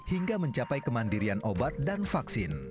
hingga mencapai kemandirian obat dan vaksin